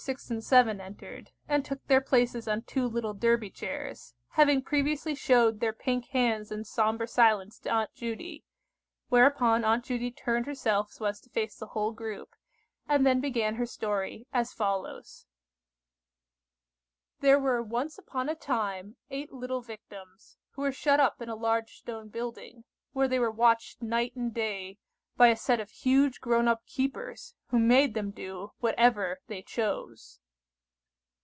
6 and 7 entered, and took their places on two little Derby chairs, having previously showed their pink hands in sombre silence to Aunt Judy, whereupon Aunt Judy turned herself so as to face the whole group, and then began her story as follows:— "There were once upon a time eight little Victims, who were shut up in a large stone building, where they were watched night and day by a set of huge grown up keepers, who made them do whatever they chose."